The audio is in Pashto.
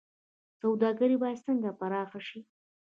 سوداګري باید څنګه پراخه شي؟